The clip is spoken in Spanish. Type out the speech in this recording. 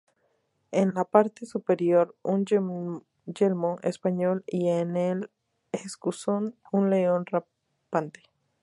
En la parte superior un yelmo español y en el escusón un león rampante.